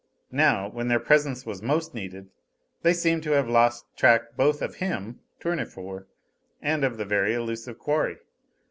Now, when their presence was most needed, they seemed to have lost track both of him Tournefort and of the very elusive quarry.